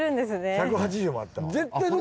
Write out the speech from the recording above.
１８０もあった。